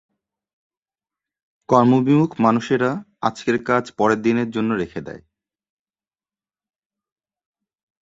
কর্মবিমুখ মানুষেরা আজকের কাজ পরেরদিনের জন্য রেখে দেয়।